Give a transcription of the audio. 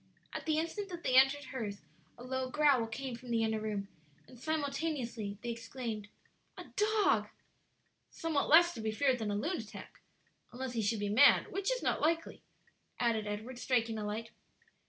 At the instant that they entered hers a low growl came from the inner room, and simultaneously they exclaimed, "A dog!" "Somewhat less to be feared than a lunatic, unless he should be mad, which is not likely," added Edward, striking a light.